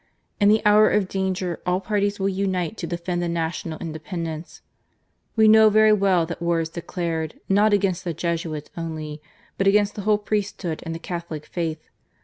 In the hour of danger all parties will unite to defend the national independence. We know very well that war is declared, not against the Jesuits only, but against THE DEFENCE OF THE JESUITS. 43 the whole priesthood and the Catholic faith.